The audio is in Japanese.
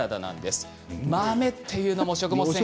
豆っていうのも食物繊維。